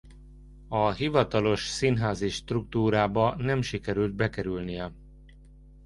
A hivatalos színházi struktúrába nem sikerült bekerülnie.